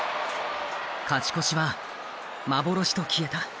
勝ち越しは幻と消えた。